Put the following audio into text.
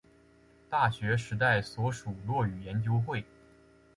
大学时代所属落语研究会。